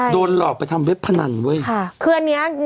โดนหลอกไปทำเว็บพนันทำเว็บพนันค่ะ